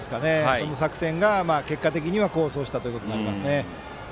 その作戦が結果的には功を奏したことになりますね。